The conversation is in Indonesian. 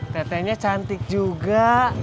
tetenya cantik juga